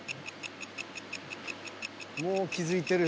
［もう気付いてる］